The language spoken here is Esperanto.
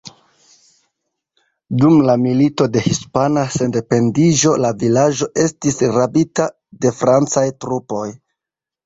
Dum la Milito de Hispana Sendependiĝo la vilaĝo estis rabita de francaj trupoj.